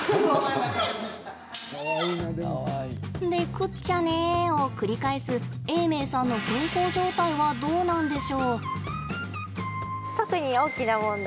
で、くっちゃねを繰り返す永明さんの健康状態はどうなんでしょう？